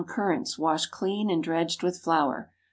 currants, washed clean and dredged with flour.